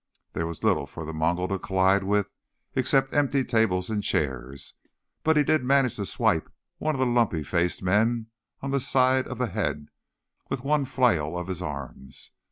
There was little for the Mongol to collide with except empty tables and chairs. But he did manage to swipe one of the lumpy faced men on the side of the head with one flail of his arms.